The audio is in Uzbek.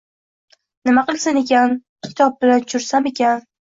Nima qilsin ekan, kitob bilan tushirsamikin